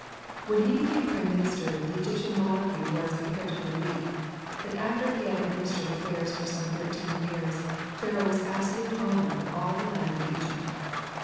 When he became Prime Minister, the Egyptian monarchy was comparatively weak ; but after he had administered affairs for some thirteen years, Pharaoh was absolute owner of all the land of Egypt.